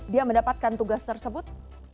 dia mendapatkan tugas tersebut